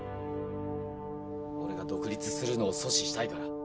俺が独立するのを阻止したいから。